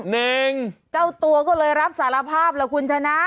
หนึ่งเจ้าตัวก็เลยรับสารภาพล่ะคุณชนะ